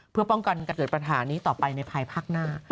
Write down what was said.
เพื่อป้องกันการเกิดปัญหานี้ต่อไปในภายภาคหน้า